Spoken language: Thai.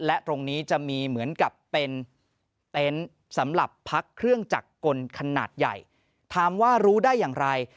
และตรงนี้จะมีเหมือนกับเป็นเต็นต์สำหรับพักเครื่องจักรกลขนาดใหญ่ถามว่ารู้ได้อย่างไร